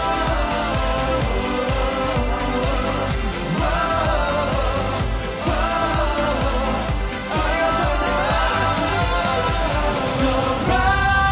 もっと！ありがとうございます！